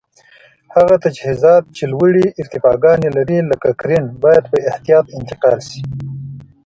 هغه تجهیزات چې لوړې ارتفاګانې لري لکه کرېن باید په احتیاط انتقال شي.